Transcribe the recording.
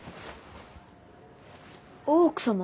大奥様？